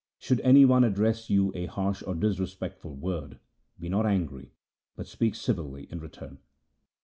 Should any one address you a harsh or disrespectful word, be not angry, but speak civilly in return.'